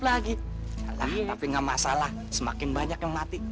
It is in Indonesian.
tapi gak masalah semakin banyak yang mati